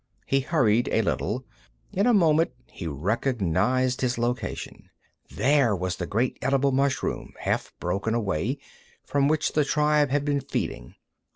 He hurried a little. In a moment he recognized his location. There was the great edible mushroom, half broken away, from which the tribe had been feeding.